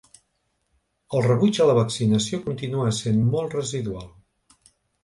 El rebuig a la vaccinació continua essent molt residual.